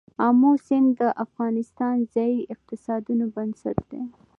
آمو سیند د افغانستان د ځایي اقتصادونو بنسټ دی.